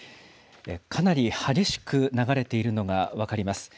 かなり激しく流れているのが分かります。